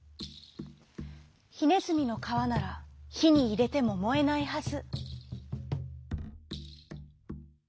「ひねずみのかわならひにいれてももえないはず」。